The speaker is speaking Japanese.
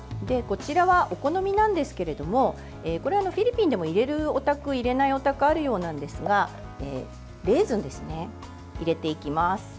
こちらはお好みなんですけれどもフィリピンでも入れるお宅入れないお宅あるようなんですがレーズンですね、入れていきます。